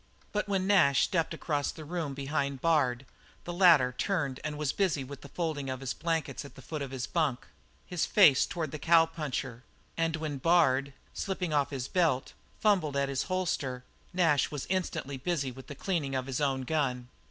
But when Nash stepped across the room behind Bard, the latter turned and was busy with the folding of his blankets at the foot of his bunk, his face toward the cowpuncher and when Bard, slipping off his belt, fumbled at his holster, Nash was instantly busy with the cleaning of his own gun.